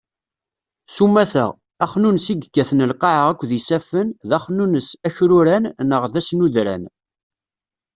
Sumata, axnunnes i yekkaten lqaεa akked yisaffen, d axnunnes akruran neɣ d asnudran.